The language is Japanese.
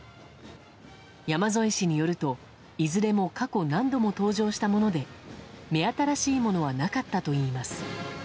山添氏によると、いずれも過去何度も登場したもので目新しいものはなかったといいます。